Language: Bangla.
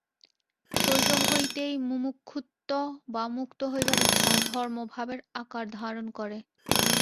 শৈশব হইতেই মুমুক্ষুত্ব বা মুক্ত হইবার ইচ্ছা ধর্মভাবের আকার ধারণ করে।